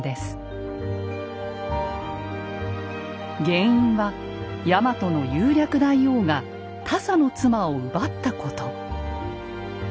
原因はヤマトの雄略大王が田狭の妻を奪ったこと。